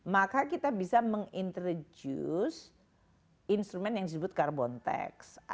maka kita bisa menginterjus instrument yang disebut carbon tax